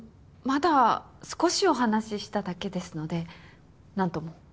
まだ少しお話しただけですので何とも。